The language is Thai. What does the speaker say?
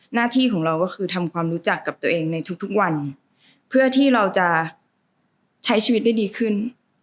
หน้าที่ของเราก็คือทำความรู้จักกับตัวเองในทุกวันเพื่อที่เราจะใช้ชีวิตได้ดีขึ้น